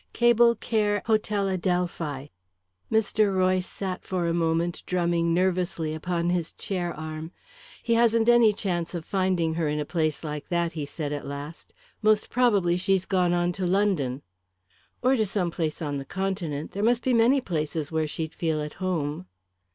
Cable care Hotel Adelphi." Mr. Royce sat for a moment drumming nervously upon his chair arm. "He hasn't any chance of finding her in a place like that," he said, at last. "Most probably she's gone on to London." "Or to some place on the continent. There must be many places where she'd feel at home."